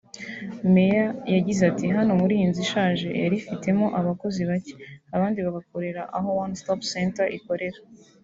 Meya yagize ati “Hano iyi nzu (ishaje) yari ifitemo abakozi bake abandi bagakorera aho One stop center ikorera